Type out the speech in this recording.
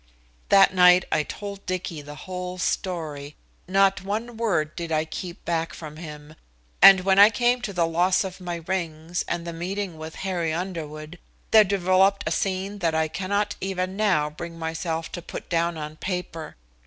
That night I told Dicky the whole story not one word did I keep back from him and when I came to the loss of my rings and the meeting with Harry Underwood, there developed a scene that I cannot even now bring myself to put down on paper.